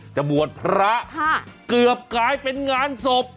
บวชพระเกือบกลายเป็นงานศพ